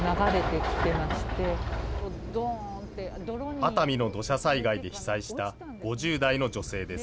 熱海の土砂災害で被災した５０代の女性です。